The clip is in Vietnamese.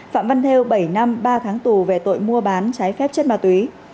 phạm văn thêu bảy năm ba tháng tủ về tội mua bán trái phép chất ma túy